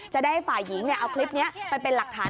จะได้ฝ่ายหญิงเอาคลิปนี้ไปเป็นหลักฐาน